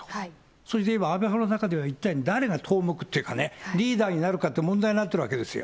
それで言えば安倍派の中では、一体誰が頭目っていうかね、リーダーになるかって問題になっているわけですよ。